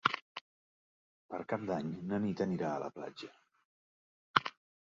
Per Cap d'Any na Nit anirà a la platja.